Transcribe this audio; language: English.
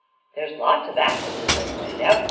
44 There's lots of actresses," I pointed out.